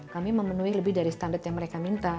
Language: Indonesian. kami memenuhi lebih dari standar yang mereka minta